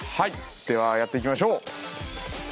ではやっていきましょう！